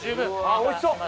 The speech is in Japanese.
おいしそう！